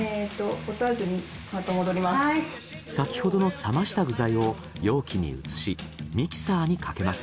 先ほどの冷ました具材を容器に移しミキサーにかけます。